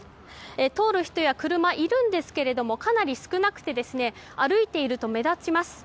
通る人や車、いるんですけれどもかなり少なくてですね歩いていると目立ちます。